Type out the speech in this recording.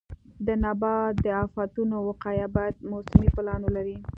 د نبات د آفتونو وقایه باید موسمي پلان ولري.